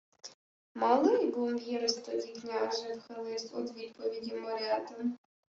— Малий був єсмь тоді, княже, — вхиливсь од відповіді Морятин.